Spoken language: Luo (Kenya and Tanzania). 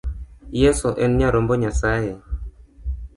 Yeso en nyarombo Nyasaye.